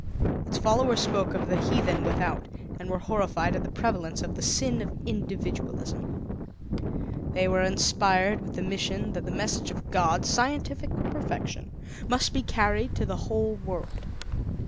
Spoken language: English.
Its followers spoke of the heathen without, and were horrified at the prevalence of the sin of individualism. They were inspired with the mission that the message of God scientific perfection must be carried to the whole world.